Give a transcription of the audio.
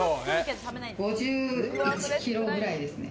５１キロぐらいですね。